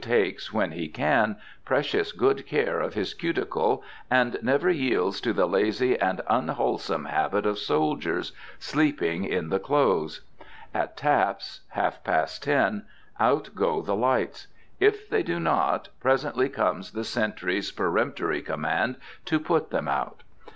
takes, when he can, precious good care of his cuticle, and never yields to the lazy and unwholesome habit of soldiers, sleeping in the clothes. At taps half past ten out go the lights. If they do not, presently comes the sentry's peremptory command to put them out.